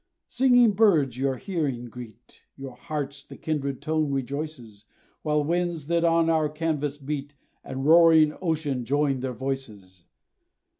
Singing birds your hearing greet Your hearts the kindred tone rejoices; While winds, that on our canvass beat, And roaring ocean join their voices.